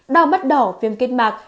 đau mắt đỏ viêm kết mạc